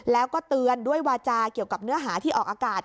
แล้วก็เตือนด้วยวาจาเกี่ยวกับเนื้อหาที่ออกอากาศ